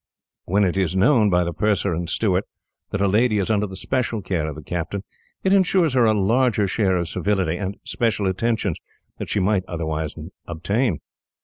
When it is known, by the purser and steward, that a lady is under the special care of the captain, it ensures her a larger share of civility, and special attentions, than she might otherwise obtain."